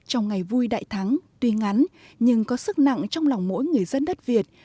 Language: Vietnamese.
trong ngày vui đại thắng tuy ngắn nhưng có sức nặng trong lòng mỗi người dân đất việt